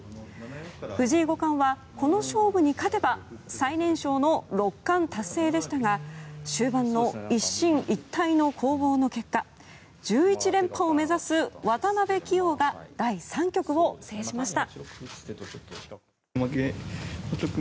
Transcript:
藤井五冠はこの勝負に勝てば最年少の六冠達成でしたが終盤の一進一退の攻防の結果１１連覇を目指す渡辺棋王が第３局を制しました。